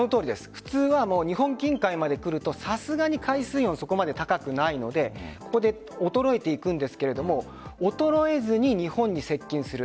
普通は日本近海まで来るとさすがに海水温そこまで高くないので衰えていくんですけれども衰えずに日本に接近する。